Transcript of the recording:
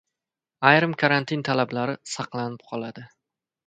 Ayrim karantin talablari saqlanib qoladi